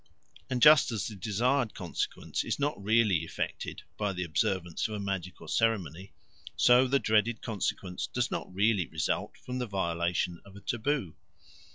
And just as the desired consequence is not really effected by the observance of a magical ceremony, so the dreaded consequence does not really result from the violation of a taboo.